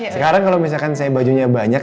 sekarang kalau misalkan saya bajunya banyak